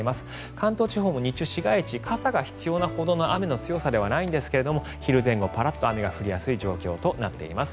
関東地方も日中、市街地傘が必要なほどの雨ではありませんが、昼前後はパラッと雨が降りやすい状況となっています。